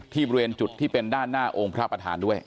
บริเวณจุดที่เป็นด้านหน้าองค์พระประธานด้วย